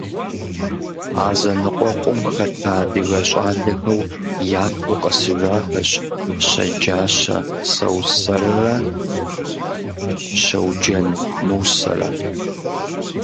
А зэныкъуэкъум хэта адыгэ щӏалэхэу япэу къэсыжахэщ Щэджащэ Сэусэррэ Щэуджэн Мусэрэ.